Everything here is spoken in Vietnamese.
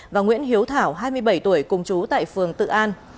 và nguyễn hiếu thảo hai mươi bảy tuổi cùng chú tại phường tự an